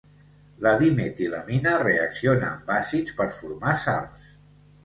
La dimetilamina reacciona amb àcids per formar sals.